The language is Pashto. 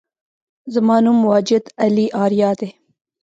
زما نوم واجد علي آریا دی